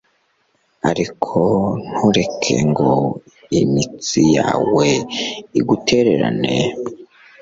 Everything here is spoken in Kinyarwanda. ariko ntureke ngo imitsi yawe igutererane